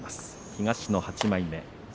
東の８枚目。